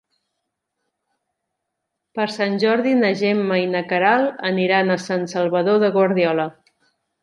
Per Sant Jordi na Gemma i na Queralt aniran a Sant Salvador de Guardiola.